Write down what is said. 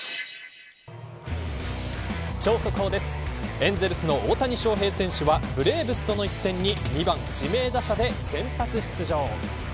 エンゼルスの大谷翔平選手はブレーブスとの一戦に２番指名打者で先発出場。